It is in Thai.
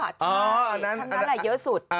อ๋อทั้งนั้นแหละเยอะสุด